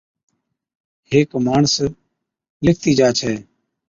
ھيڪ ماڻس لکتي جا ڇَي،